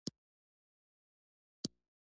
څو زره کارکوونکي په یوه کارخانه کې کار کوي